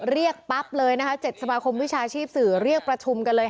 เรียกปั๊บเลยนะคะ๗สมาคมวิชาชีพสื่อเรียกประชุมกันเลยค่ะ